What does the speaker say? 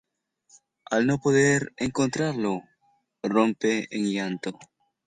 Al no poder encontrarlo, rompe en llanto.